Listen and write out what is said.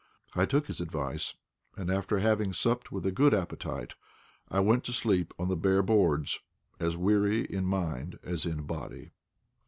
I took his advice, and, after having supped with a good appetite, I went to sleep on the bare boards, as weary in mind as in body.